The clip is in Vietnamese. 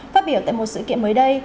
phát biểu tại một sự kiện mới đây